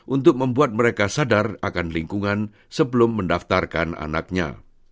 untuk membuat mereka sadar akan lingkungan sebelum mendaftarkan anaknya